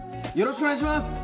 よろしくお願いします！